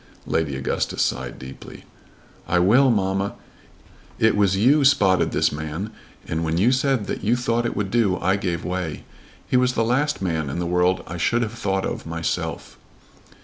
Lady Augustus sighed deeply. "I will, mamma. It was you spotted this man, and when you said that you thought it would do, I gave way. He was the last man in the world I should have thought of myself."